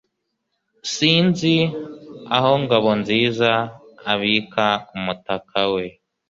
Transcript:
Sinzi aho Ngabonziza abika umutaka we